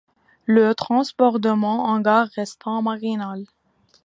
Le transbordement en gare restant marginal.